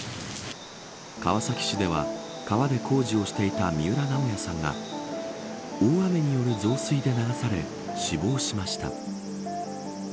川崎市では川で工事をしていた三浦直哉さんが大雨による増水で流され死亡しました。